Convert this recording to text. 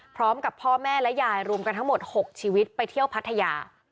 พร้อมกับพ่อแม่และยายรวมกันทั้งหมด๖ชีวิตไปเที่ยวพัทยา